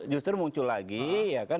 justru muncul lagi ya kan